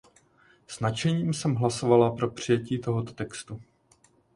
S nadšením jsem hlasovala pro přijetí tohoto textu.